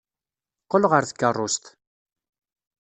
Qqel ɣer tkeṛṛust.